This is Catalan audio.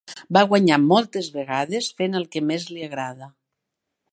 Va guanyar moltes vegades fent el que més li agrada.